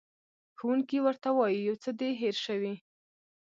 ښوونکی ورته وایي، یو څه دې هېر شوي.